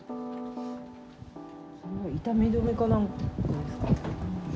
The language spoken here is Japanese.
痛み止めかなんかですか？